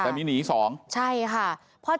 เชบที่มีหนีสองให้สามคนไว้ประเทศก็ต้องปลอดภัย